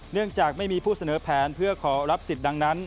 เนื่องจากไม่มีผู้เสนอแผนเพื่อขอรับสิทธิ์ดังนั้น